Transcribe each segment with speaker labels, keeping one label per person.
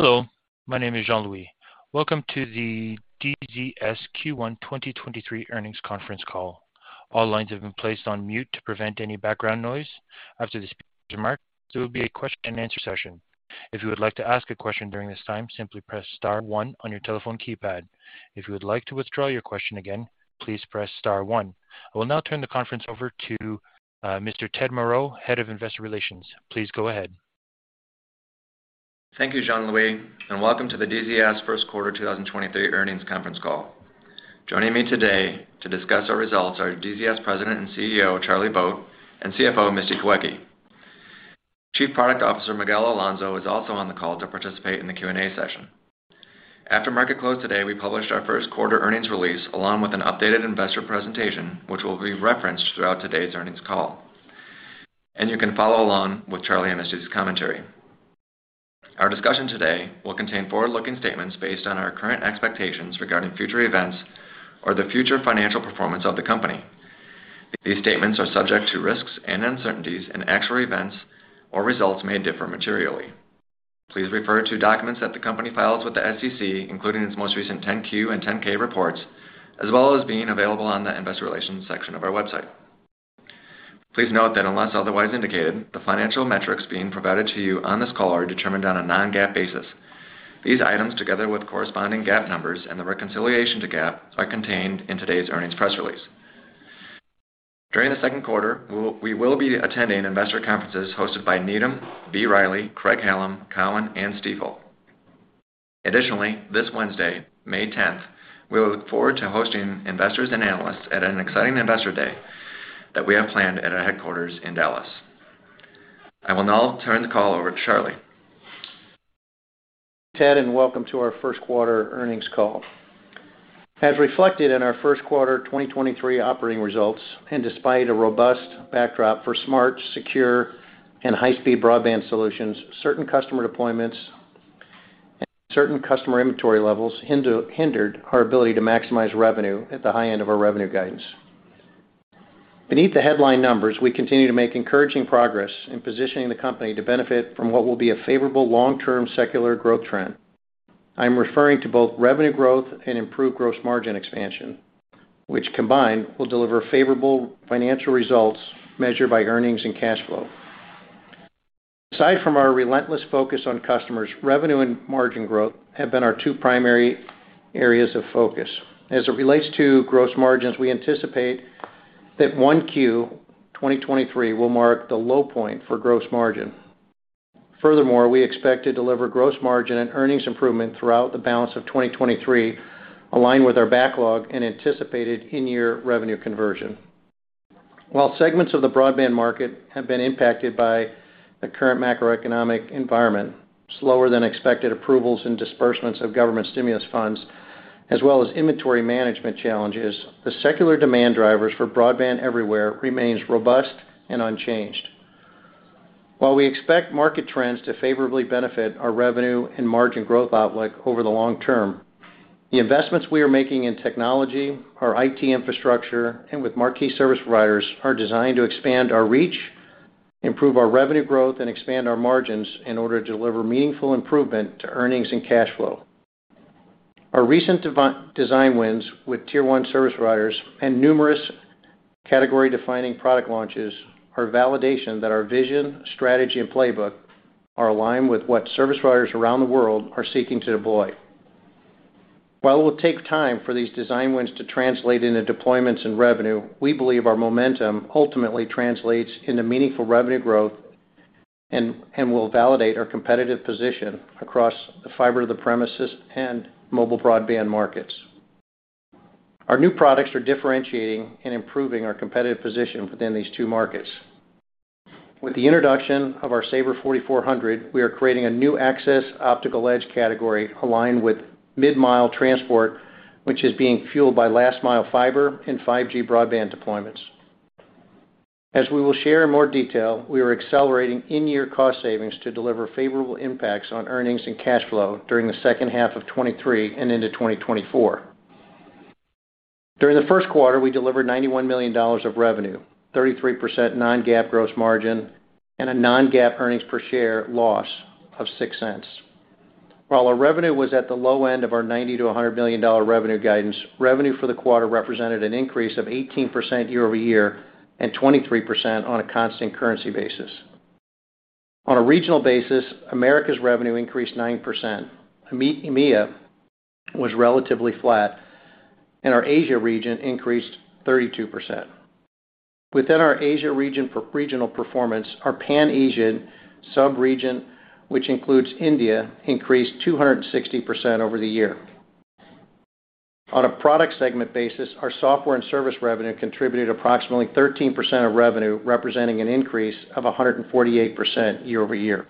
Speaker 1: Hello, my name is Jean-Louis. Welcome to the DZS Q1 2023 earnings conference call. All lines have been placed on mute to prevent any background noise. After the speaker's remarks, there will be a question-and-answer session. If you would like to ask a question during this time, simply press star one on your telephone keypad. If you would like to withdraw your question again, please press star one. I will now turn the conference over to Mr. Ted Moreau, Head of Investor Relations. Please go ahead.
Speaker 2: Thank you, Jean-Louis, and welcome to the DZS first quarter 2023 earnings conference call. Joining me today to discuss our results are DZS President and CEO, Charlie Vogt, and CFO, Misty Kawecki. Chief Product Officer Miguel Alonso is also on the call to participate in the Q&A session. After market close today, we published our first quarter earnings release along with an updated investor presentation, which will be referenced throughout today's earnings call, and you can follow along with Charlie and Misty's commentary. Our discussion today will contain forward-looking statements based on our current expectations regarding future events or the future financial performance of the company. These statements are subject to risks and uncertainties, and actual events or results may differ materially. Please refer to documents that the company files with the SEC, including its most recent 10-Q and 10-K reports, as well as being available on the investor relations section of our website. Please note that unless otherwise indicated, the financial metrics being provided to you on this call are determined on a non-GAAP basis. These items, together with corresponding GAAP numbers and the reconciliation to GAAP, are contained in today's earnings press release. During the second quarter, we will be attending investor conferences hosted by Needham, B. Riley, Craig-Hallum, Cowen, and Stifel. Additionally, this Wednesday, May 10th, we look forward to hosting investors and analysts at an exciting investor day that we have planned at our headquarters in Dallas. I will now turn the call over to Charlie.
Speaker 3: Ted, welcome to our first quarter earnings call. As reflected in our first quarter 2023 operating results, and despite a robust backdrop for smart, secure, and high-speed broadband solutions, certain customer deployments and certain customer inventory levels hindered our ability to maximize revenue at the high end of our revenue guidance. Beneath the headline numbers, we continue to make encouraging progress in positioning the company to benefit from what will be a favorable long-term secular growth trend. I'm referring to both revenue growth and improved gross margin expansion, which combined will deliver favorable financial results measured by earnings and cash flow. Aside from our relentless focus on customers, revenue and margin growth have been our two primary areas of focus. As it relates to gross margins, we anticipate that 1Q 2023 will mark the low point for gross margin. We expect to deliver gross margin and earnings improvement throughout the balance of 2023, aligned with our backlog and anticipated in-year revenue conversion. Segments of the broadband market have been impacted by the current macroeconomic environment, slower than expected approvals and disbursements of government stimulus funds, as well as inventory management challenges, the secular demand drivers for broadband everywhere remain robust and unchanged. We expect market trends to favorably benefit our revenue and margin growth outlook over the long term, the investments we are making in technology, our IT infrastructure, and with marquee service providers, are designed to expand our reach, improve our revenue growth, and expand our margins in order to deliver meaningful improvement to earnings and cash flow. Our recent design wins with tier-one service providers and numerous category-defining product launches are validation that our vision, strategy, and playbook are aligned with what service providers around the world are seeking to deploy. While it will take time for these design wins to translate into deployments and revenue, we believe our momentum ultimately will translates into meaningful revenue growth and will validate our competitive position across the fiber to the premises and mobile broadband markets. Our new products are differentiating and improving our competitive position within these two markets. With the introduction of our Saber 4400, we are creating a new access optical edge category aligned with mid-mile transport, which is being fueled by last-mile fiber and 5G broadband deployments. As we will share in more detail, we are accelerating in-year cost savings to deliver favorable impacts on earnings and cash flow during the second half of 2023 and into 2024. During the first quarter, we delivered $91 million of revenue, 33% non-GAAP gross margin, and a non-GAAP earnings per share loss of $0.06. While our revenue was at the low end of our $90 million-$100 million revenue guidance, revenue for the quarter represented an increase of 18% year-over-year and 23% on a constant currency basis. On a regional basis, America's revenue increased 9%. EMEA was relatively flat, and our Asia region increased 32%. Within our Asia region for regional performance, our Pan-Asian sub-region, which includes India, increased 260% over the year. On a product segment basis, our software and service revenue contributed approximately 13% of revenue, representing an increase of 148% year-over-year.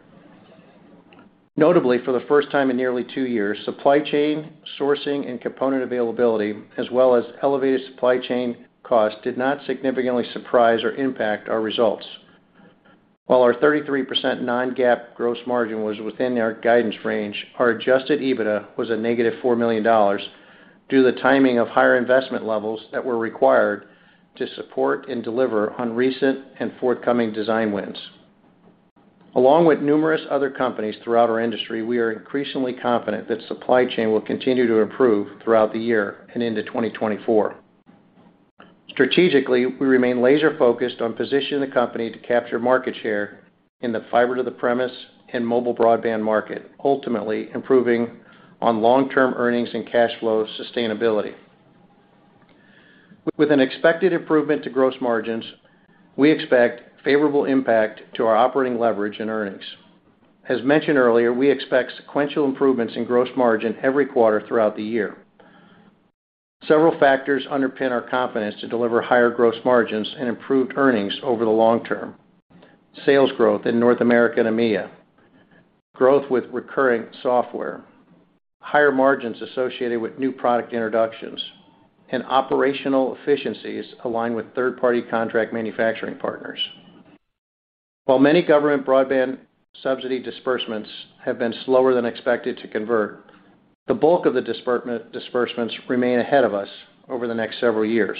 Speaker 3: Notably, for the first time in nearly two years, supply chain sourcing and component availability, as well as elevated supply chain costs, did not significantly surprise or impact our results. While our 33% non-GAAP gross margin was within our guidance range, our adjusted EBITDA was a negative $4 million. Due to the timing of higher investment levels that were required to support and deliver on recent and forthcoming design wins. Along with numerous other companies throughout our industry, we are increasingly confident that the supply chain will continue to improve throughout the year and into 2024. Strategically, we remain laser-focused on positioning the company to capture market share in the fiber-to-the-premises and mobile broadband market, ultimately improving on long-term earnings and cash flow sustainability. With an expected improvement to gross margins, we expect a favorable impact to our operating leverage and earnings. As mentioned earlier, we expect sequential improvements in gross margin every quarter throughout the year. Several factors underpin our confidence to deliver higher gross margins and improved earnings over the long term. Sales growth in North America and EMEA, growth with recurring software, higher margins associated with new product introductions, and operational efficiencies aligned with third-party contract manufacturing partners. While many government broadband subsidy disbursements have been slower than expected to convert, the bulk of the disbursements remain ahead of us over the next several years.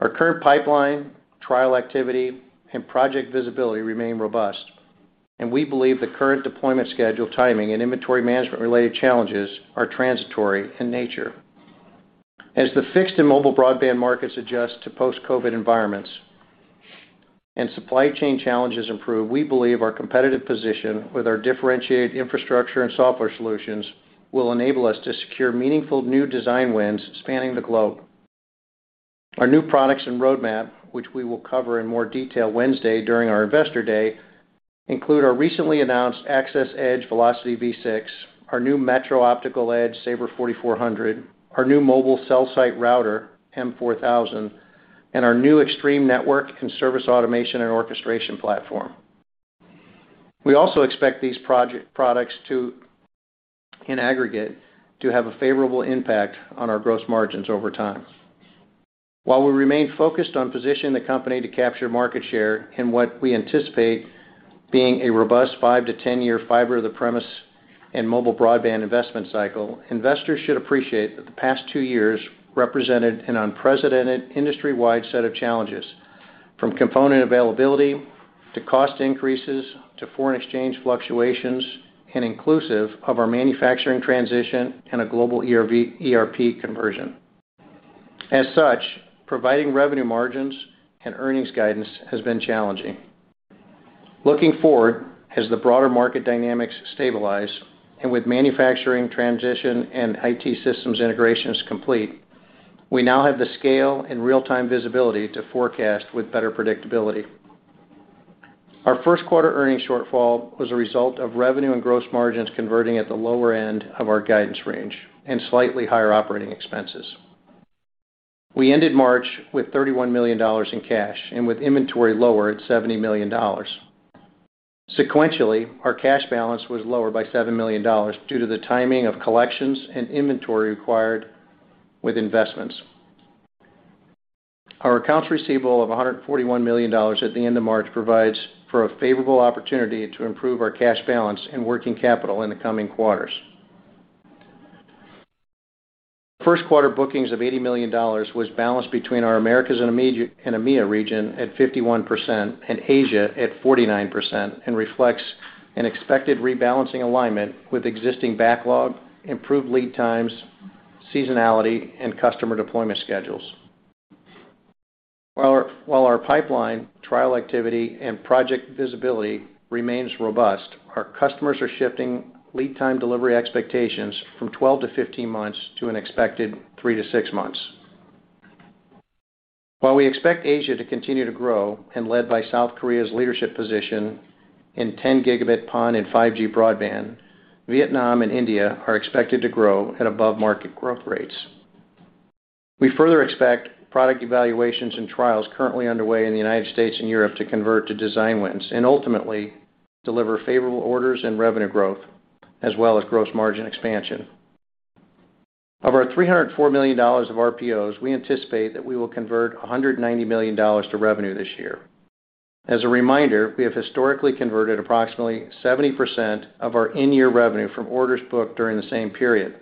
Speaker 3: Our current pipeline, trial activity, and project visibility remain robust, and we believe the current deployment schedule timing and inventory management related challenges are transitory in nature. As the fixed and mobile broadband markets adjust to post-COVID environments and supply chain challenges improve, we believe our competitive position with our differentiated infrastructure and software solutions will enable us to secure meaningful new design wins spanning the globe. Our new products and roadmap, which we will cover in more detail Wednesday during our Investor Day, include our recently announced Access Edge Velocity V6, our new Metro Optical Edge Saber 4400, our new mobile cell site router, M4000, and our new Xtreme Network and Service Automation and Orchestration platform. We also expect these products in aggregate to have a favorable impact on our gross margins over time. While we remain focused on positioning the company to capture market share in what we anticipate being a robust 5-10-year fiber to the premises and mobile broadband investment cycle, investors should appreciate that the past two years represented an unprecedented industry-wide set of challenges, from component availability to cost increases to foreign exchange fluctuations and inclusive of our manufacturing transition and a global ERP conversion. Providing revenue margins and earnings guidance has been challenging. Looking forward, as the broader market dynamics stabilize and with manufacturing transition and IT systems integrations complete, we now have the scale and real-time visibility to forecast with better predictability. Our first quarter earnings shortfall was a result of revenue and gross margins converting at the lower end of our guidance range and slightly higher operating expenses. We ended March with $31 million in cash and with inventory lower at $70 million. Sequentially, our cash balance was lower by $7 million due to the timing of collections and inventory required with investments. Our accounts receivable of $141 million at the end of March provides for a favorable opportunity to improve our cash balance and working capital in the coming quarters. First quarter bookings of $80 million were balanced between our Americas and EMEA region at 51% and Asia at 49% and reflects an expected rebalancing alignment with existing backlog, improved lead times, seasonality, and customer deployment schedules. While our pipeline, trial activity, and project visibility remains robust, our customers are shifting lead time delivery expectations from 12-15 months to an expected 3-6 months. We expect Asia to continue to grow and led by South Korea's leadership position in 10-gigabit PON and 5G broadband, Vietnam and India are expected to grow at above-market growth rates. We further expect product evaluations and trials currently underway in the United States and Europe to convert to design wins and ultimately deliver favorable orders and revenue growth as well as gross margin expansion. Of our $304 million of RPOs, we anticipate that we will convert $190 million to revenue this year. As a reminder, we have historically converted approximately 70% of our in-year revenue from orders booked during the same period.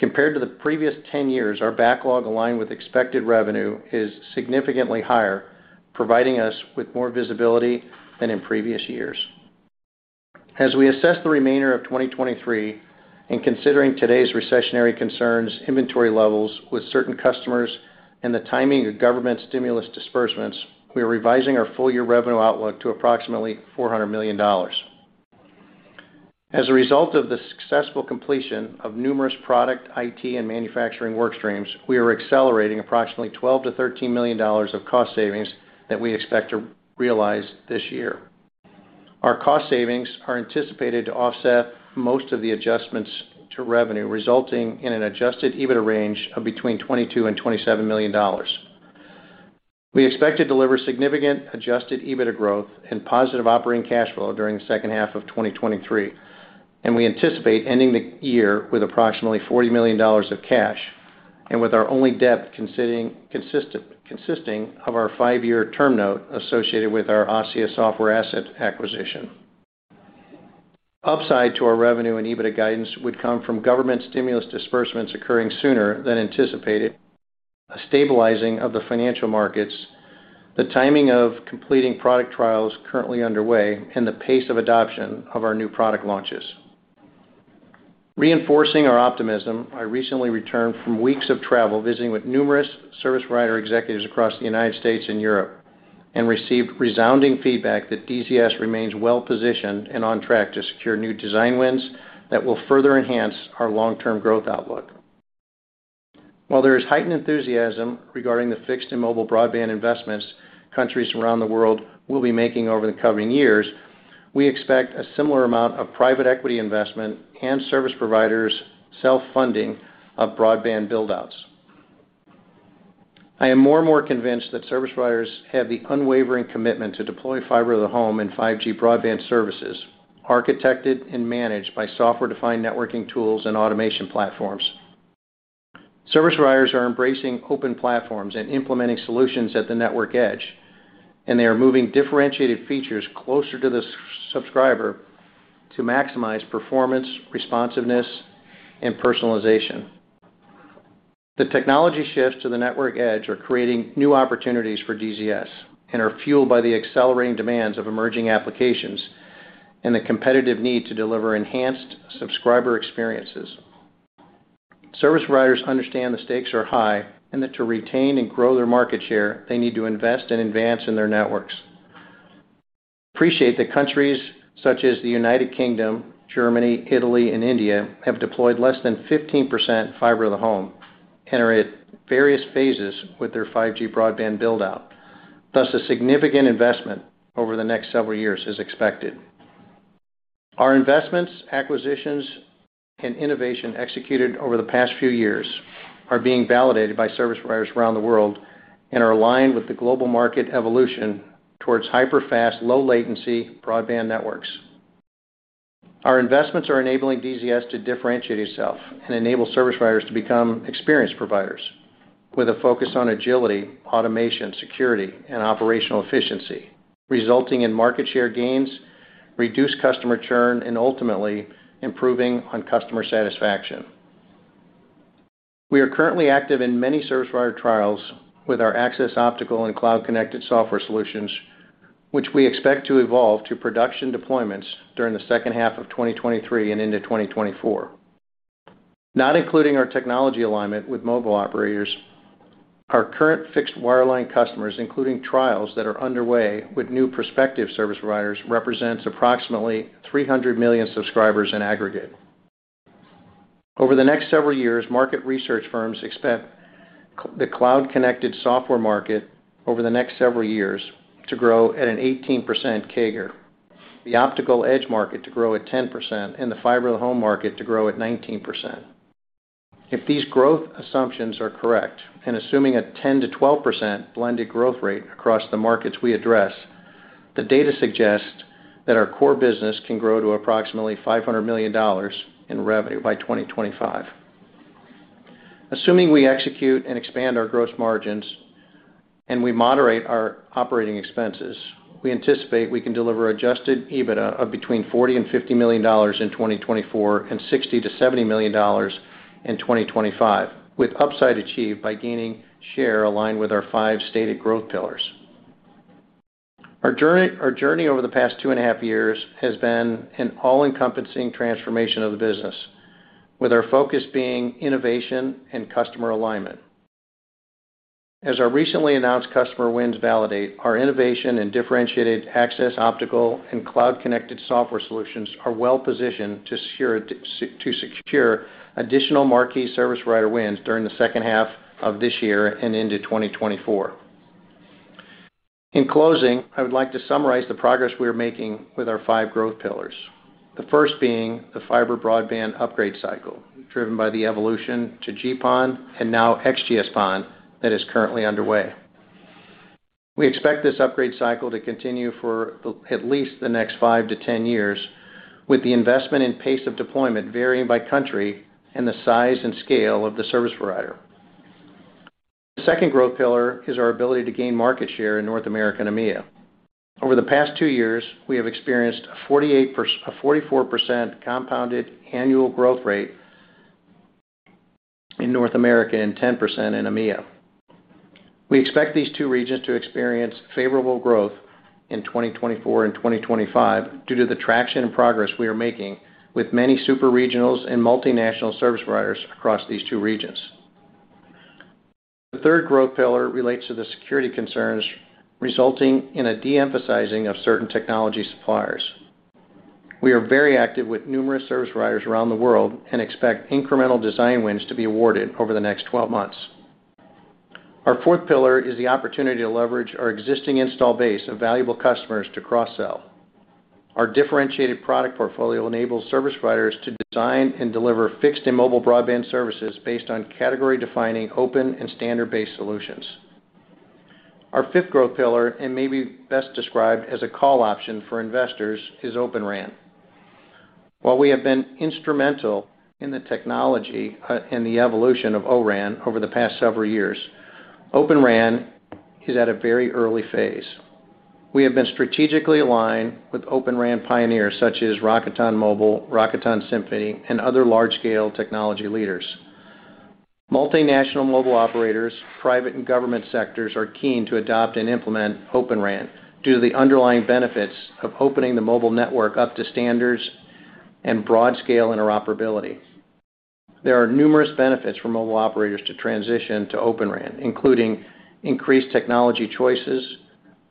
Speaker 3: Compared to the previous 10 years, our backlog aligned with expected revenue is significantly higher, providing us with more visibility than in previous years. As we assess the remainder of 2023 and considering today's recessionary concerns, inventory levels with certain customers, and the timing of government stimulus disbursements, we are revising our full-year revenue outlook to approximately $400 million. As a result of the successful completion of numerous product, IT, and manufacturing work streams, we are accelerating approximately $12 million-$13 million of cost savings that we expect to realize this year. Our cost savings are anticipated to offset most of the adjustments to revenue, resulting in an adjusted EBITDA range of between $22 million and $27 million. We expect to deliver significant adjusted EBITDA growth and positive operating cash flow during the second half of 2023. We anticipate ending the year with approximately $40 million of cash and with our only debt consisting of our five-year term note associated with our ASSIA software asset acquisition. Upside to our revenue and EBITDA guidance would come from government stimulus disbursements occurring sooner than anticipated, a stabilizing of the financial markets, the timing of completing product trials currently underway, and the pace of adoption of our new product launches. Reinforcing our optimism, I recently returned from weeks of travel visiting with numerous service provider executives across the United States and Europe. We received resounding feedback that DZS remains well-positioned and on track to secure new design wins that will further enhance our long-term growth outlook. While there is heightened enthusiasm regarding the fixed and mobile broadband investments countries around the world will be making over the coming years, we expect a similar amount of private equity investment and service providers self-funding of broadband build-outs. I am more and more convinced that service providers have the unwavering commitment to deploy fiber-to-the-home and 5G broadband services, architected and managed by software-defined networking tools and automation platforms. Service providers are embracing open platforms and implementing solutions at the network edge, and they are moving differentiated features closer to the subscriber to maximize performance, responsiveness, and personalization. The technology shifts to the network edge are creating new opportunities for DZS and are fueled by the accelerating demands of emerging applications and the competitive need to deliver enhanced subscriber experiences. Service providers understand the stakes are high and that to retain and grow their market share, they need to invest and advance in their networks. Appreciate that countries such as the United Kingdom, Germany, Italy, and India have deployed less than 15% fiber-to-the-home and are at various phases with their 5G broadband build-out. Thus, a significant investment over the next several years is expected. Our investments, acquisitions, and innovation executed over the past few years are being validated by service providers around the world and are aligned with the global market evolution towards hyper-fast, low latency broadband networks. Our investments are enabling DZS to differentiate itself and enable service providers to become experienced providers with a focus on agility, automation, security, and operational efficiency, resulting in market share gains, reduced customer churn, and ultimately improving customer satisfaction. We are currently active in many service provider trials with our access optical and cloud-connected software solutions, which we expect to evolve to production deployments during the second half of 2023 and into 2024. Not including our technology alignment with mobile operators, our current fixed wireline customers, including trials that are underway with new prospective service providers, represents approximately 300 million subscribers in aggregate. Over the next several years, market research firms expect the cloud-connected software market over the next several years to grow at an 18% CAGR, the optical edge market to grow at 10%, and the fiber-to-the-home market to grow at 19%. Assuming a 10%-12% blended growth rate across the markets we address, the data suggests that our core business can grow to approximately $500 million in revenue by 2025. Assuming we execute and expand our gross margins and we moderate our operating expenses, we anticipate we can deliver adjusted EBITDA of between $40 million and $50 million in 2024 and $60 million-$70 million in 2025, with upside achieved by gaining share aligned with our five stated growth pillars. Our journey over the past two and a half years has been an all-encompassing transformation of the business, with our focus being innovation and customer alignment. As our recently announced customer wins validate, our innovation and differentiated access optical and cloud-connected software solutions are well-positioned to secure additional marquee service provider wins during the second half of this year and into 2024. In closing, I would like to summarize the progress we are making with our five growth pillars. The first being the fiber broadband upgrade cycle, driven by the evolution to GPON and now XGS-PON that is currently underway. We expect this upgrade cycle to continue for at least the next 5-10 years, with the investment and pace of deployment varying by country and the size and scale of the service provider. The second growth pillar is our ability to gain market share in North America and EMEA. Over the past two years, we have experienced a 44% compounded annual growth rate in North America and 10% in EMEA. We expect these two regions to experience favorable growth in 2024 and 2025 due to the traction and progress we are making with many super regionals and multinational service providers across these two regions. The third growth pillar relates to the security concerns resulting in a de-emphasizing of certain technology suppliers. We are very active with numerous service providers around the world and expect incremental design wins to be awarded over the next 12 months. Our fourth pillar is the opportunity to leverage our existing install base of valuable customers to cross-sell. Our differentiated product portfolio enables service providers to design and deliver fixed and mobile broadband services based on category-defining, open and standard-based solutions. Our fifth growth pillar, and maybe best described as a call option for investors, is Open RAN. While we have been instrumental in the technology and the evolution of O-RAN over the past several years, Open RAN is at a very early phase. We have been strategically aligned with Open RAN pioneers such as Rakuten Mobile, Rakuten Symphony, and other large-scale technology leaders. Multinational mobile operators, private and government sectors are keen to adopt and implement Open RAN due to the underlying benefits of opening the mobile network up to standards and broad-scale interoperability. There are numerous benefits for mobile operators to transition to Open RAN, including increased technology choices,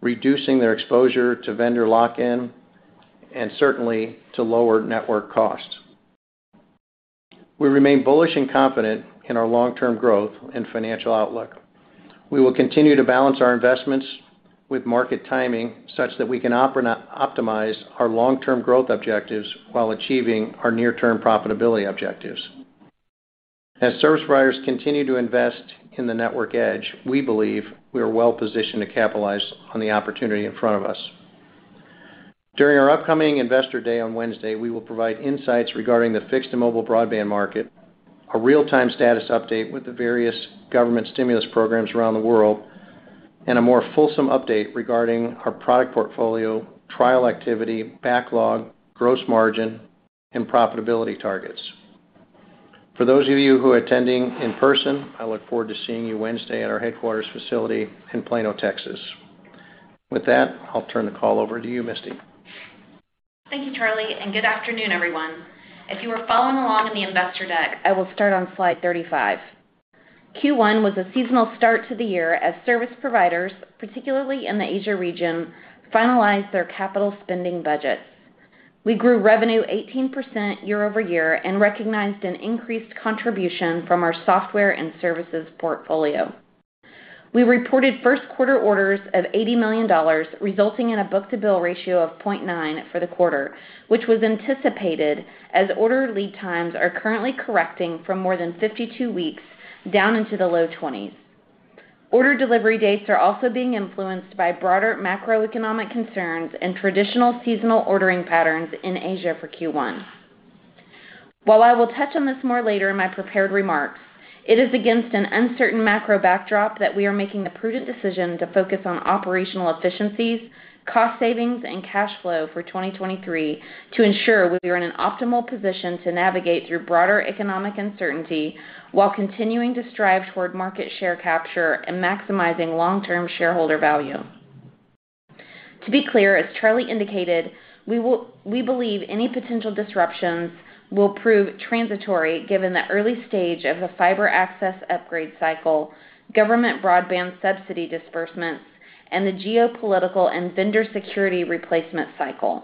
Speaker 3: reducing their exposure to vendor lock-in, and certainly lower network costs. We remain bullish and confident in our long-term growth and financial outlook. We will continue to balance our investments with market timing such that we can optimize our long-term growth objectives while achieving our near-term profitability objectives. As service providers continue to invest in the network edge, we believe we are well-positioned to capitalize on the opportunity in front of us. During our upcoming Investor Day on Wednesday, we will provide insights regarding the fixed and mobile broadband market, a real-time status update with the various government stimulus programs around the world, and a more fulsome update regarding our product portfolio, trial activity, backlog, gross margin, and profitability targets. For those of you who are attending in person, I look forward to seeing you Wednesday at our headquarters facility in Plano, Texas. With that, I'll turn the call over to you, Misty.
Speaker 4: Thank you, Charlie. Good afternoon, everyone. If you are following along in the investor deck, I will start on slide 35. Q1 was a seasonal start to the year as service providers, particularly in the Asia region, finalized their capital spending budgets. We grew revenue 18% year-over-year and recognized an increased contribution from our software and services portfolio. We reported first quarter orders of $80 million, resulting in a book-to-bill ratio of 0.9 for the quarter, which was anticipated as order lead times are currently correcting from more than 52 weeks down into the low 20s. Order delivery dates are also being influenced by broader macroeconomic concerns and traditional seasonal ordering patterns in Asia for Q1. While I will touch on this more later in my prepared remarks, it is against an uncertain macro backdrop that we are making the prudent decision to focus on operational efficiencies, cost savings, and cash flow for 2023 to ensure we are in an optimal position to navigate through broader economic uncertainty while continuing to strive toward market share capture and maximizing long-term shareholder value. To be clear, as Charlie indicated, we believe any potential disruptions will prove transitory given the early stage of the fiber access upgrade cycle, government broadband subsidy disbursements, and the geopolitical and vendor security replacement cycle.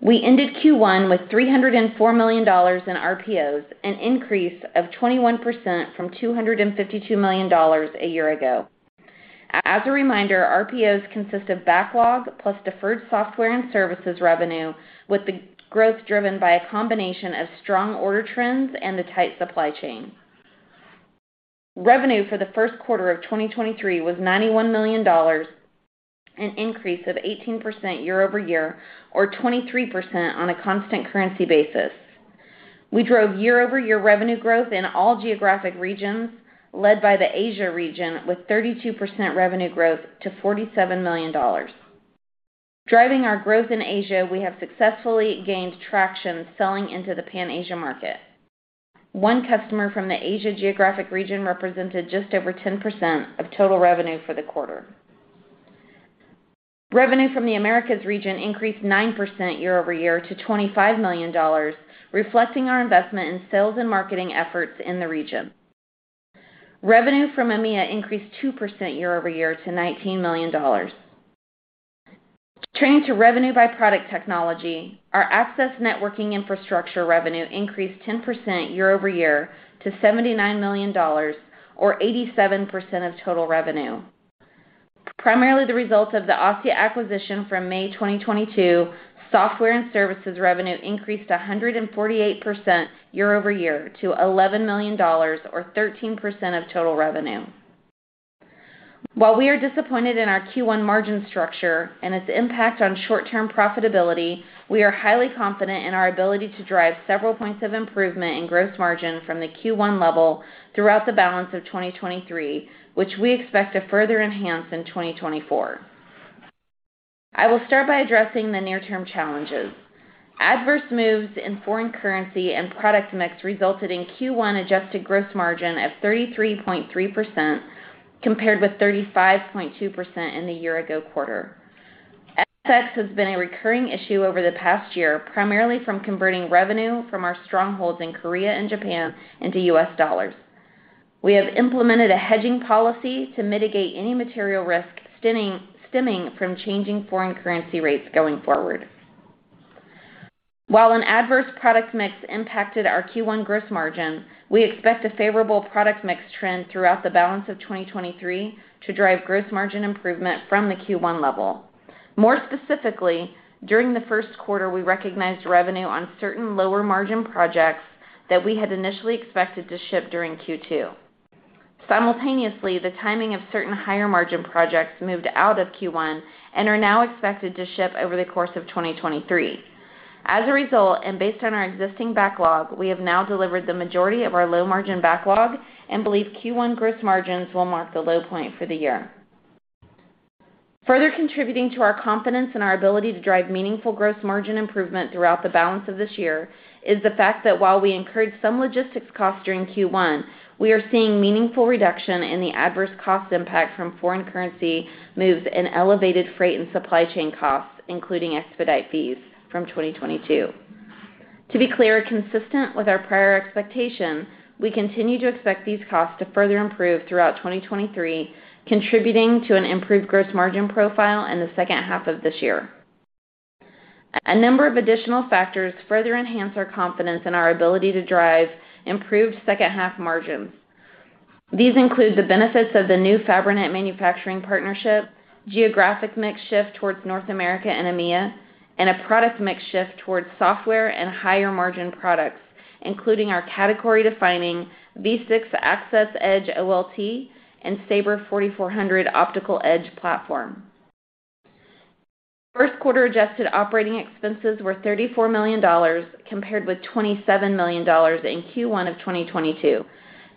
Speaker 4: We ended Q1 with $304 million in RPOs, an increase of 21% from $252 million a year ago. As a reminder, RPOs consist of backlog plus deferred software and services revenue, with the growth driven by a combination of strong order trends and a tight supply chain. Revenue for the first quarter of 2023 was $91 million, an increase of 18% year-over-year or 23% on a constant currency basis. We drove year-over-year revenue growth in all geographic regions, led by the Asia region, with 32% revenue growth to $47 million. Driving our growth in Asia, we have successfully gained traction selling into the Pan-Asia market. One customer from the Asia geographic region represented just over 10% of total revenue for the quarter. Revenue from the Americas region increased 9% year-over-year to $25 million, reflecting our investment in sales and marketing efforts in the region. Revenue from EMEA increased 2% year-over-year to $19 million. Turning to revenue by product technology, our access networking infrastructure revenue increased 10% year-over-year to $79 million or 87% of total revenue. Primarily the result of the ASSIA acquisition from May 2022, software and services revenue increased 148% year-over-year to $11 million, or 13% of total revenue. We are disappointed in our Q1 margin structure and its impact on short-term profitability, but we are highly confident in our ability to drive several points of improvement in gross margin from the Q1 level throughout the balance of 2023, which we expect to further enhance in 2024. I will start by addressing the near-term challenges. Adverse moves in foreign currency and product mix resulted in Q1 adjusted gross margin of 33.3%, compared with 35.2% in the year ago quarter. FX has been a recurring issue over the past year, primarily from converting revenue from our strongholds in Korea and Japan into U.S. dollars. We have implemented a hedging policy to mitigate any material risk stemming from changing foreign currency rates going forward. While an adverse product mix impacted our Q1 gross margin, we expect a favorable product mix trend throughout the balance of 2023 to drive gross margin improvement from the Q1 level. More specifically, during the first quarter, we recognized revenue on certain lower-margin projects that we had initially expected to ship during Q2. Simultaneously, the timing of certain higher-margin projects moved out of Q1 and are now expected to ship over the course of 2023. As a result, and based on our existing backlog, we have now delivered the majority of our low margin backlog and believe Q1 gross margins will mark the low point for the year. Further contributing to our confidence in our ability to drive meaningful gross margin improvement throughout the balance of this year is the fact that while we incurred some logistics costs during Q1, we are seeing meaningful reduction in the adverse cost impact from foreign currency moves and elevated freight and supply chain costs, including expedite fees from 2022. To be clear, consistent with our prior expectation, we continue to expect these costs to further improve throughout 2023, contributing to an improved gross margin profile in the second half of this year. A number of additional factors further enhance our confidence in our ability to drive improved second half margins. These include the benefits of the new Fabrinet manufacturing partnership, geographic mix shift towards North America and EMEA, and a product mix shift towards software and higher-margin products, including our category-defining Velocity V6 Access Edge OLT and Saber 4400 optical edge platform. First quarter adjusted operating expenses were $34 million compared with $27 million in Q1 of 2022.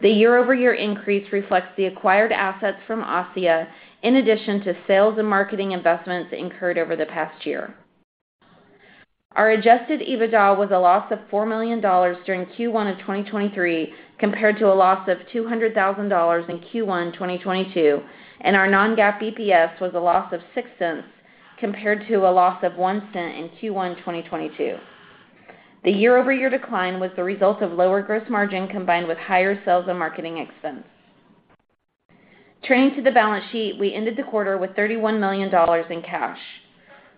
Speaker 4: The year-over-year increase reflects the acquired assets from ASSIA in addition to sales and marketing investments incurred over the past year. Our adjusted EBITDA was a loss of $4 million during Q1 2023 compared to a loss of $200,000 in Q1 2022, and our non-GAAP EPS was a loss of $0.06 compared to a loss of $0.01 in Q1 2022. The year-over-year decline was the result of lower gross margin combined with higher sales and marketing expense. Turning to the balance sheet, we ended the quarter with $31 million in cash.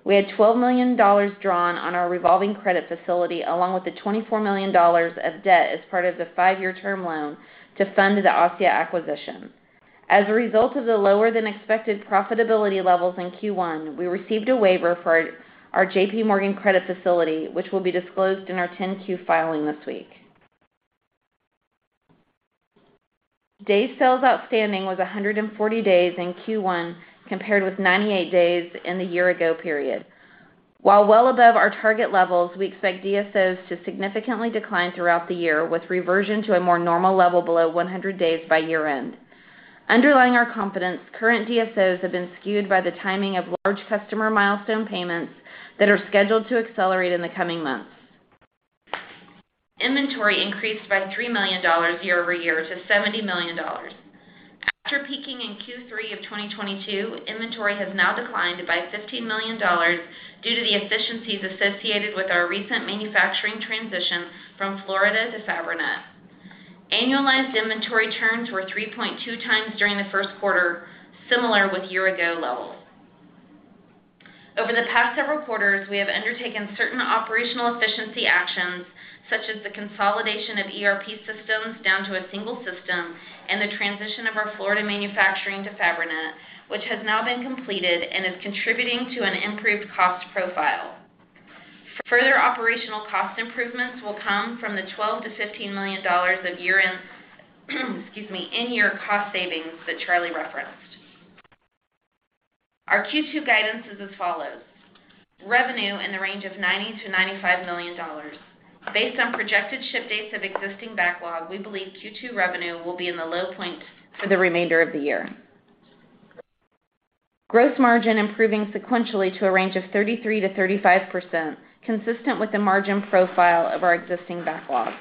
Speaker 4: We had $12 million drawn on our revolving credit facility along with the $24 million of debt as part of the five-year term loan to fund the ASSIA acquisition. As a result of the lower than expected profitability levels in Q1, we received a waiver for our JPMorgan credit facility, which will be disclosed in our 10-Q filing this week. Days Sales Outstanding was 140 days in Q1 compared with 98 days in the year-ago period. While well above our target levels, we expect DSOs to significantly decline throughout the year with reversion to a more normal level below 100 days by year-end. Underlying our confidence, current DSOs have been skewed by the timing of large customer milestone payments that are scheduled to accelerate in the coming months. Inventory increased by $3 million year-over-year to $70 million. After peaking in Q3 of 2022, inventory has now declined by $15 million due to the efficiencies associated with our recent manufacturing transition from Florida to Fabrinet. Annualized inventory turns were 3.2x during the first quarter, similar with year-ago levels. Over the past several quarters, we have undertaken certain operational efficiency actions, such as the consolidation of ERP systems down to a single system and the transition of our Florida manufacturing to Fabrinet, which has now been completed and is contributing to an improved cost profile. Further operational cost improvements will come from the $12 million-$15 million of year-end, in-year cost savings that Charlie referenced. Our Q2 guidance is as follows. Revenue in the range of $90 million-$95 million. Based on projected ship dates of existing backlog, we believe Q2 revenue will be in the low point for the remainder of the year. Gross margin improving sequentially to a range of 33%-35%, consistent with the margin profile of our existing backlog.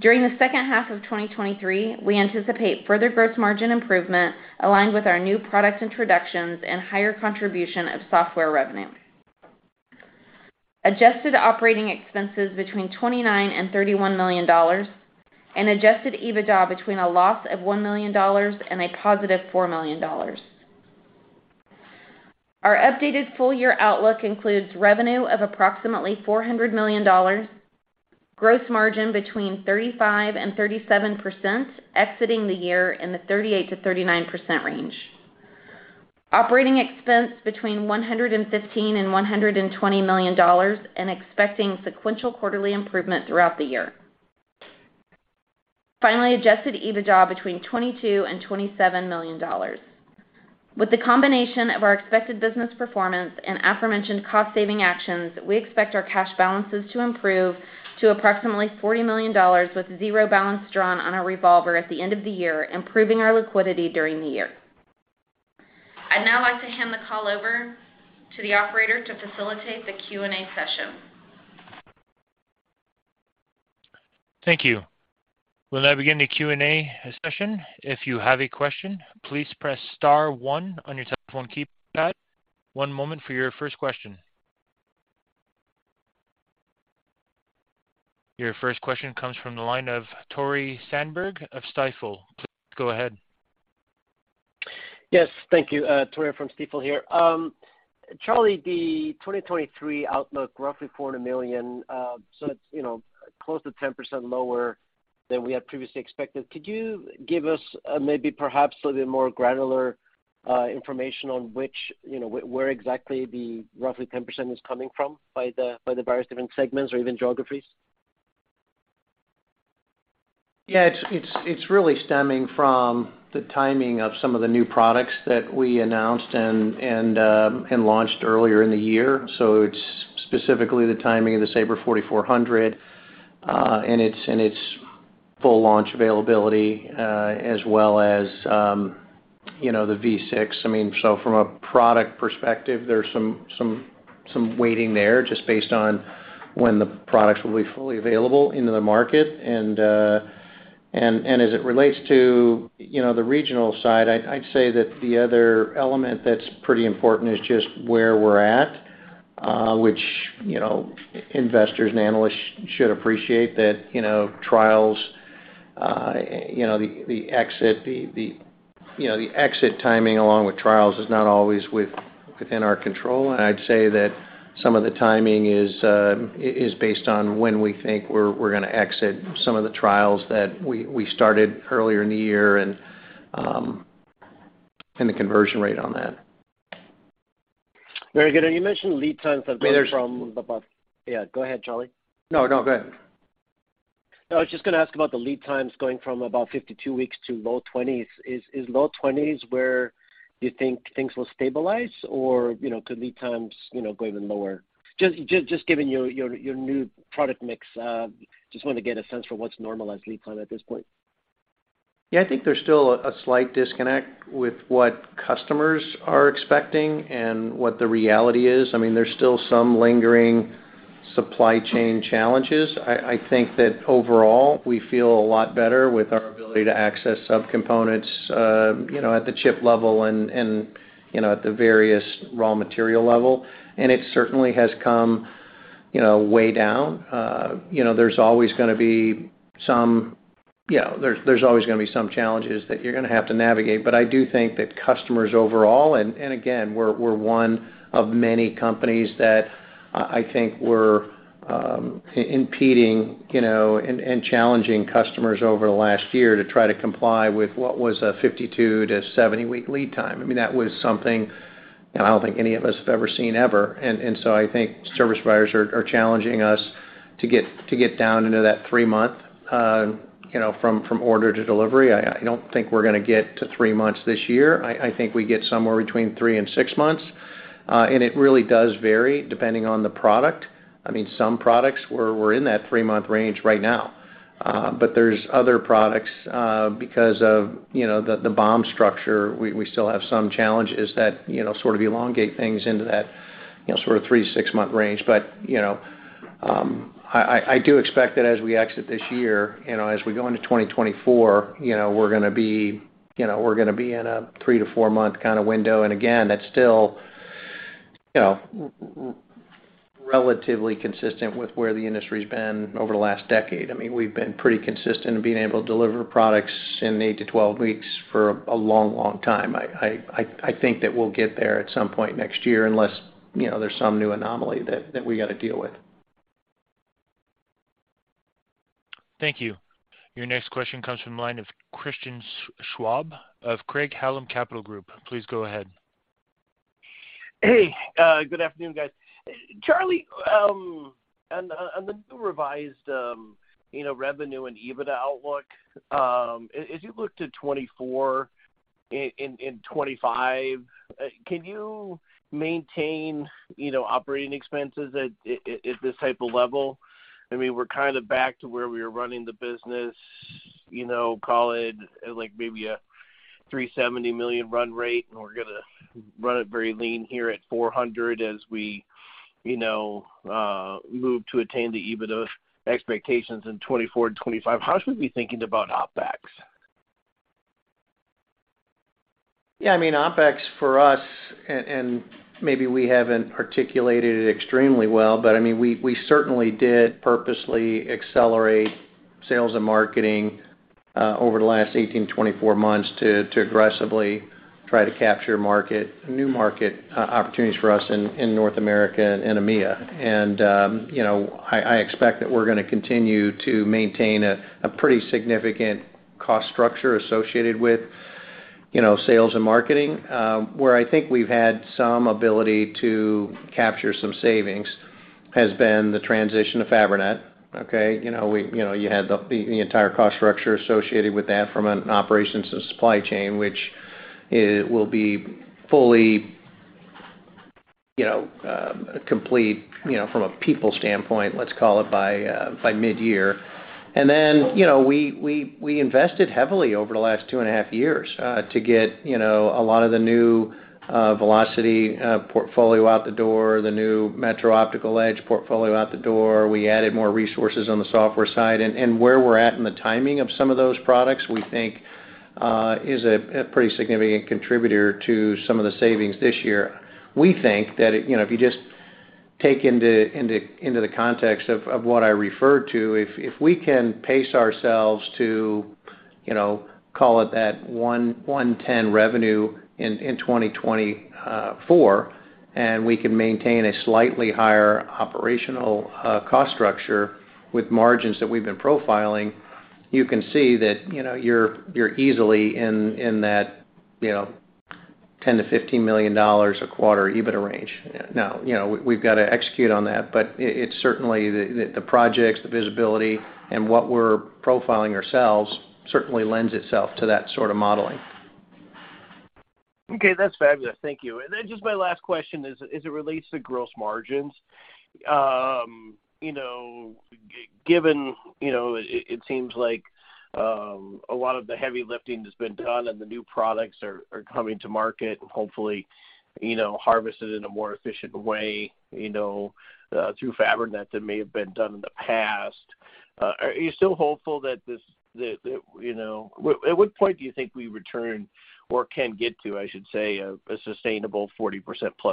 Speaker 4: During the second half of 2023, we anticipate further gross margin improvement aligned with our new product introductions and higher contribution of software revenue. Adjusted operating expenses between $29 million-$31 million and adjusted EBITDA between a loss of $1 million and a positive $4 million. Our updated full year outlook includes revenue of approximately $400 million, gross margin between 35%-37%, exiting the year in the 38%-39% range. Operating expense between $115 million-$120 million and expecting sequential quarterly improvement throughout the year. Finally, adjusted EBITDA between $22 million-$27 million. With the combination of our expected business performance and aforementioned cost saving actions, we expect our cash balances to improve to approximately $40 million with a zero balance drawn on our revolver at the end of the year, improving our liquidity during the year. I'd now like to hand the call over to the operator to facilitate the Q&A session.
Speaker 1: Thank you. We'll now begin the Q&A session. If you have a question, please press star one on your telephone keypad. One moment for your first question. Your first question comes from the line of Tore Svanberg of Stifel. Please go ahead.
Speaker 5: Yes. Thank you. Tore from Stifel here. Charlie, the 2023 outlook roughly $400 million. It's, you know, close to 10% lower than we had previously expected. Could you give us, maybe perhaps a little bit more granular Information on which, you know, exactly the roughly 10% is coming from by the various different segments or even geographies.
Speaker 3: Yeah. It's really stemming from the timing of some of the new products that we announced and launched earlier in the year. It's specifically the timing of the Saber 4400 and its full launch availability, as well as, you know, the V6. I mean, from a product perspective, there's some waiting there just based on when the products will be fully available into the market. As it relates to, you know, the regional side, I'd say that the other element that's pretty important is just where we're at, which, you know, investors and analysts should appreciate that, you know, trials, the exit timing along with trials is not always within our control. I'd say that some of the timing is based on when we think we're gonna exit some of the trials that we started earlier in the year and the conversion rate on that.
Speaker 5: Very good. You mentioned lead times have gone from about-
Speaker 3: I mean, there's-
Speaker 5: Yeah, go ahead, Charlie.
Speaker 3: No, no. Go ahead.
Speaker 5: No, I was just gonna ask about the lead times going from about 52 weeks to low 20s. Is low twenties where you think things will stabilize or, you know, could lead times, you know, go even lower? Just given your new product mix, just want to get a sense for what's normalized lead time at this point.
Speaker 3: I think there's still a slight disconnect with what customers are expecting and what the reality is. I mean, there's still some lingering supply chain challenges. I think that overall we feel a lot better with our ability to access subcomponents, you know, at the chip level and, you know, at the various raw material level, and it certainly has come, you know, way down. You know, there's always gonna be some challenges that you're gonna have to navigate. I do think that customers overall, and again, we're one of many companies that I think were impeding, you know, and challenging customers over the last year to try to comply with what was a 52-70-week lead time. I mean, that was something that I don't think any of us have ever seen ever. I think service providers are challenging us to get, to get down into that three-month, you know, from order to delivery. I don't think we're gonna get to three-month this year. I think we get somewhere between three and six months. It really does vary depending on the product. I mean, some products we're in that three-month range right now. There's other products, because of, you know, the BOM structure, we still have some challenges that, you know, sort of elongate things into that, you know, sort of three-to six-month range. You know, I do expect that as we exit this year, you know, as we go into 2024, you know, we're gonna be, you know, we're gonna be in a three- to four-month kind of window. Again, that's still, you know, relatively consistent with where the industry's been over the last decade. I mean, we've been pretty consistent in being able to deliver products in eight to 12 weeks for a long, long time. I think that we'll get there at some point next year unless, you know, there's some new anomaly that we gotta deal with.
Speaker 1: Thank you. Your next question comes from the line of Christian Schwab of Craig-Hallum Capital Group. Please go ahead.
Speaker 6: Hey, good afternoon, guys. Charlie, on the new revised, you know, revenue and EBITDA outlook, as you look to 2024 and 2025, can you maintain, you know, operating expenses at this type of level? I mean, we're kind of back to where we were running the business, you know, call it like maybe a $370 million run rate, and we're gonna run it very lean here at $400 million as we, you know, move to attain the EBITDA expectations in 2024 and 2025. How should we be thinking about OpEx?
Speaker 3: Yeah. I mean, OpEx for us, and maybe we haven't articulated it extremely well, but I mean, we certainly did purposely accelerate sales and marketing over the last 18 to 24 months to aggressively try to capture new market opportunities for us in North America and EMEA. You know, I expect that we're gonna continue to maintain a pretty significant cost structure associated with, you know, sales and marketing. Where I think we've had some ability to capture some savings has been the transition to Fabrinet. Okay. You know, we, you know, you had the entire cost structure associated with that from an operations and supply chain, which it will be fully, you know, complete, you know, from a people standpoint, let's call it by mid-year. Then, you know, we invested heavily over the last two and a half years to get, you know, a lot of the new Velocity portfolio out the door, the new metro optical edge portfolio out the door. We added more resources on the software side. Where we're at in the timing of some of those products, we think is a pretty significant contributor to some of the savings this year. You know, if you just take into the context of what I referred to, if we can pace ourselves to, you know, call it that $110 million revenue in 2024, and we can maintain a slightly higher operational cost structure with margins that we've been profiling. You can see that, you know, you're easily in that, you know, $10 million-$15 million a quarter EBITA range. You know, we've got to execute on that, but it's certainly the projects, the visibility, and what we're profiling ourselves for lends itself to that sort of modeling.
Speaker 6: Okay, that's fabulous. Thank you. Just my last question is, as it relates to gross margins, you know, given, you know, it seems like, a lot of the heavy lifting has been done and the new products are coming to market and hopefully, you know, harvested in a more efficient way, you know, through Fabrinet than may have been done in the past. Are you still hopeful that this, that, you know... At what point do you think we return or can get to, I should say, a sustainable 40%+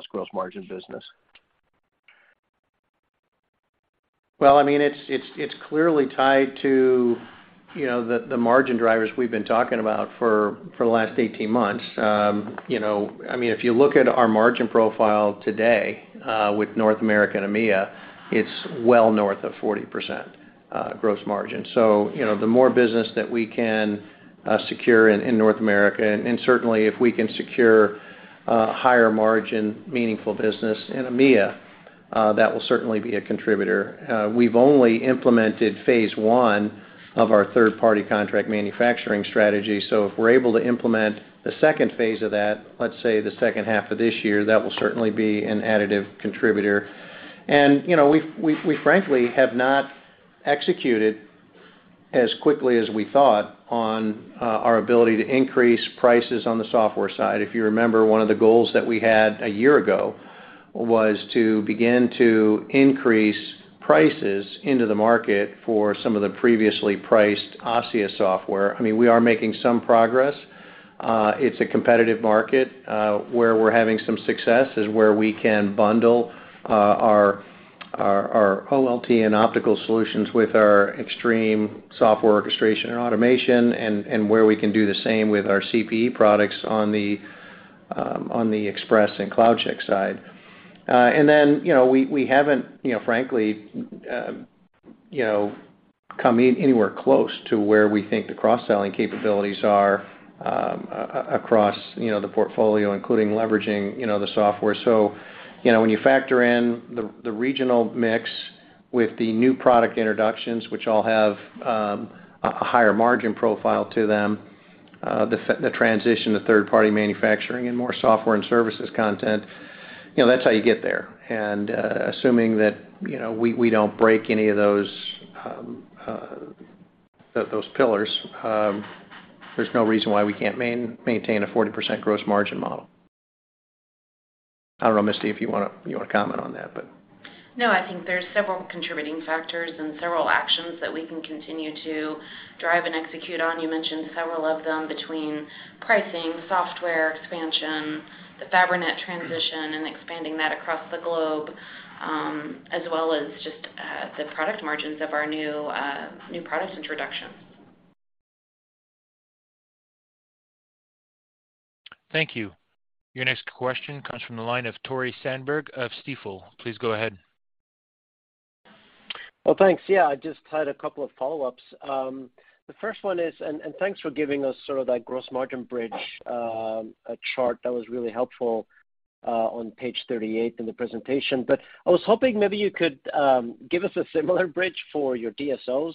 Speaker 6: gross margin business?
Speaker 3: Well, I mean, it's clearly tied to, you know, the margin drivers we've been talking about for the last 18 months. You know, I mean, if you look at our margin profile today, with North America and EMEA, it's well north of 40% gross margin. You know, the more business that we can secure in North America, and certainly if we can secure higher margin meaningful business in EMEA, that will certainly be a contributor. We've only implemented phase one of our third-party contract manufacturing strategy. If we're able to implement the second phase of that, let's say the second half of this year, that will certainly be an additive contributor. you know, we frankly have not executed as quickly as we thought on our ability to increase prices on the software side. If you remember, one of the goals that we had a year ago was to begin to increase prices into the market for some of the previously priced ASSIA software. I mean, we are making some progress. It's a competitive market. Where we're having some success is where we can bundle our OLT and optical solutions with our Xtreme software orchestration and automation and where we can do the same with our CPE products on the Expresse and CloudCheck side. You know, we haven't, you know, frankly, you know, come anywhere close to where we think the cross-selling capabilities are, across, you know, the portfolio, including leveraging, you know, the software. When you factor in the regional mix with the new product introductions, which all have a higher margin profile to them, the transition to third-party manufacturing and more software and services content, you know, that's how you get there. Assuming that, you know, we don't break any of those pillars, there's no reason why we can't maintain a 40% gross margin model. I don't know, Misty, if you wanna, you wanna comment on that, but...
Speaker 4: No, I think there's several contributing factors and several actions that we can continue to drive and execute on. You mentioned several of them between pricing, software expansion, the Fabrinet transition and expanding that across the globe, as well as just the product margins of our new product introductions.
Speaker 1: Thank you. Your next question comes from the line of Tore Svanberg of Stifel. Please go ahead.
Speaker 5: Well, thanks. Yeah, I just had a couple of follow-ups. The first one is thanks for giving us sort of that gross margin bridge chart. That was really helpful on page 38 in the presentation. I was hoping maybe you could give us a similar bridge for your DSOs.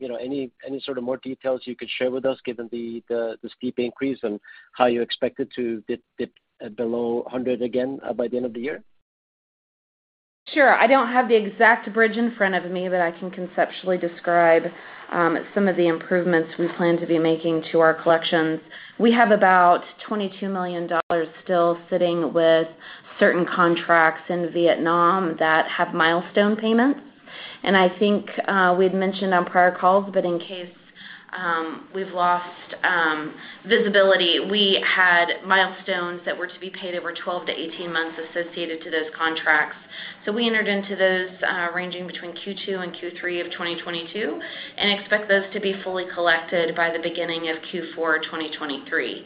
Speaker 5: You know, any sort of more details you could share with us given the steep increase and how you expect it to dip below 100 again by the end of the year?
Speaker 4: Sure. I don't have the exact bridge in front of me, but I can conceptually describe some of the improvements we plan to be making to our collections. We have about $22 million still sitting with certain contracts in Vietnam that have milestone payments. I think we'd mentioned on prior calls, but in case we've lost visibility, we had milestones that were to be paid over 12 to 18 months associated to those contracts. We entered into those ranging between Q2 and Q3 of 2022, and expect those to be fully collected by the beginning of Q4 2023.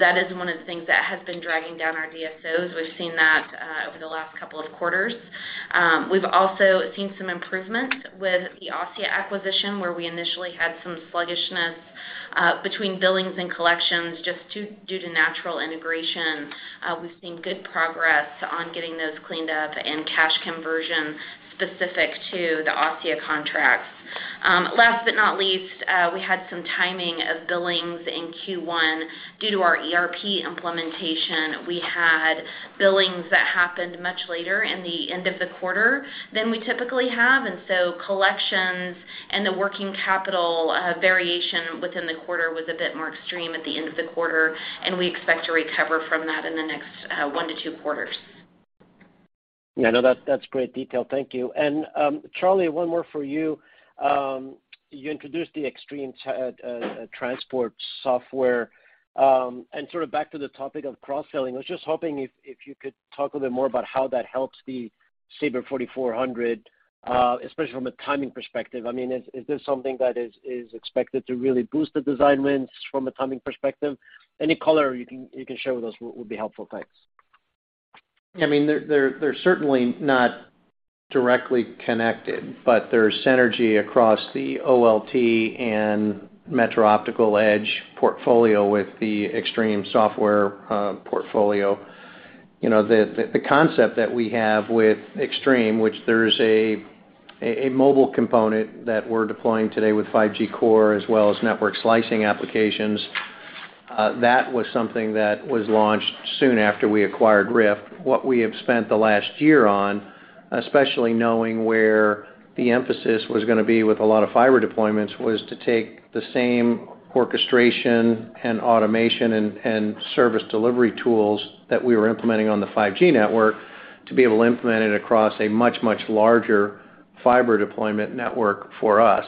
Speaker 4: That is one of the things that has been dragging down our DSOs. We've seen that over the last couple of quarters. We've also seen some improvements with the ASSIA acquisition, where we initially had some sluggishness between billings and collections, just due to natural integration. We've seen good progress on getting those cleaned up and cash conversion specific to the ASSIA contracts. Last but not least, we had some timing of billings in Q1 due to our ERP implementation. We had billings that happened much later in the end of the quarter than we typically have. Collections and the working capital variation within the quarter was a bit more extreme at the end of the quarter, and we expect to recover from that in the next one to two quarters.
Speaker 5: Yeah, no, that's great detail. Thank you. Charlie, one more for you. You introduced the Xtreme transport software. And sort of back to the topic of cross-selling, I was just hoping if you could talk a little bit more about how that helps the Saber 4400, especially from a timing perspective. I mean, is this something that is expected to really boost the design wins from a timing perspective? Any color you can share with us would be helpful. Thanks.
Speaker 3: I mean, they're certainly not directly connected, but there's synergy across the OLT and metro optical edge portfolio with the Xtreme software portfolio. You know, the concept that we have with Xtreme, which there's a mobile component that we're deploying today with 5G core as well as network slicing applications, that was something that was launched soon after we acquired RIFT. What we have spent the last year on, especially knowing where the emphasis was gonna be with a lot of fiber deployments, was to take the same orchestration and automation and service delivery tools that we were implementing on the 5G network to be able to implement it across a much larger fiber deployment network for us.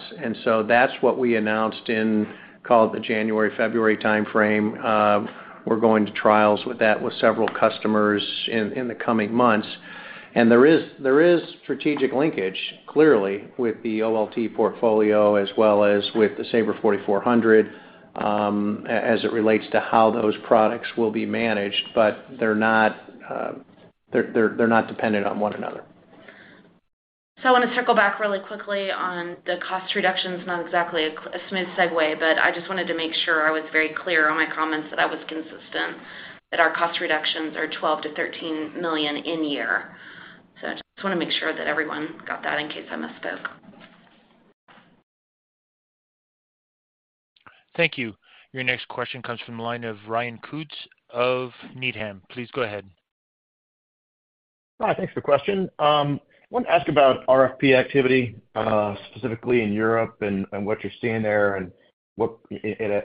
Speaker 3: That's what we announced in, call it the January, February timeframe. We're going to trials with that with several customers in the coming months. There is strategic linkage clearly with the OLT portfolio as well as with the Saber 4400 as it relates to how those products will be managed, but they're not dependent on one another.
Speaker 4: I wanna circle back really quickly on the cost reductions, not exactly a smooth segue, but I just wanted to make sure I was very clear on my comments that I was consistent, that our cost reductions are $12 million-$13 million in year. I just wanna make sure that everyone got that in case I misspoke.
Speaker 1: Thank you. Your next question comes from the line of Ryan Koontz of Needham. Please go ahead.
Speaker 7: Hi, thanks for the question. Wanted to ask about RFP activity, specifically in Europe and what you're seeing there, and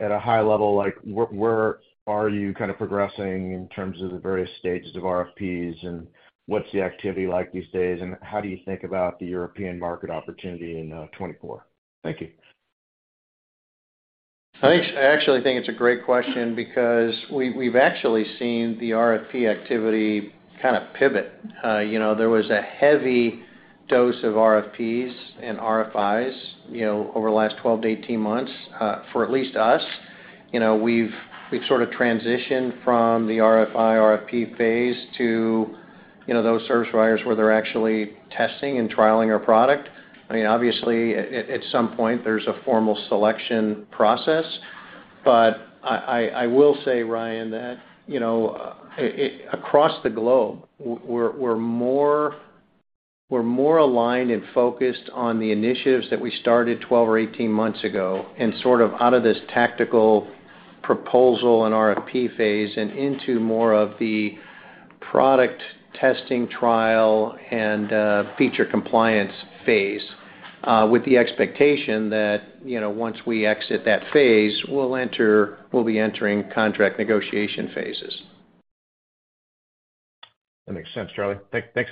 Speaker 7: at a high level, like where are you kind of progressing in terms of the various stages of RFPs and what's the activity like these days, and how do you think about the European market opportunity in 2024? Thank you.
Speaker 3: I actually think it's a great question because we've actually seen the RFP activity kind of pivot. you know, there was a heavy dose of RFPs and RFIs, you know, over the last 12 to 18 months, for at least us. you know, we've sort of transitioned from the RFI, RFP phase to, you know, those service providers where they're actually testing and trialing our product. I mean, obviously at some point there's a formal selection process.
Speaker 7: I will say, Ryan, that, you know, across the globe, we're more aligned and focused on the initiatives that we started 12 or 18 months ago, and sort of out of this tactical proposal and RFP phase and into more of the product testing trial and feature compliance phase, with the expectation that, you know, once we exit that phase, we'll be entering contract negotiation phases. That makes sense, Charlie. Thanks so much.